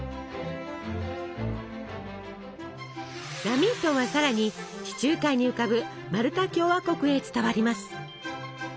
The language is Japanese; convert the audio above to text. ラミントンはさらに地中海に浮かぶマルタ共和国へ伝わります。